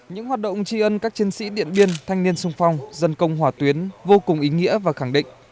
những hoạt động tri ân các chiến sĩ điện biên thanh niên sung phong dân công hỏa tuyến vô cùng ý nghĩa và khẳng định